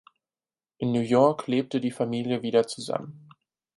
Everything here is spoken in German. In New York lebte die Familie wieder zusammen.